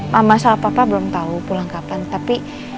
mama sama papa belum tahu pulang kapan tapi